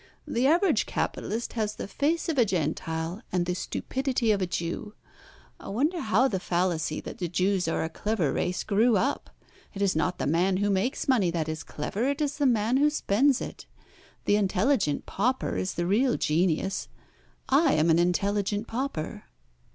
The average capitalist has the face of a Gentile, and the stupidity of a Jew. I wonder how the fallacy that the Jews are a clever race grew up? It is not the man who makes money that is clever, it is the man who spends it. The intelligent pauper is the real genius. I am an intelligent pauper."